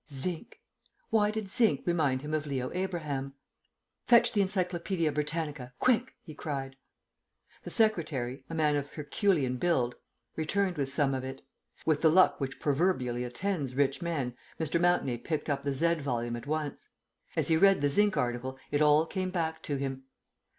Zinc! Why did zinc remind him of Leo Abraham? "Fetch the Encyclopedia Britannica, quick!" he cried. The secretary, a man of herculean build, returned with some of it. With the luck which proverbially attends rich men, Mr. Mountenay picked up the "Z" volume at once. As he read the Zinc article it all came back to him.